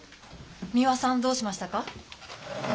三輪さんどうしましたか？